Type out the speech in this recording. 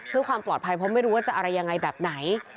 เพื่อความปลอดภัยเพราะไม่รู้ว่าจะอะไรยังไงแบบไหน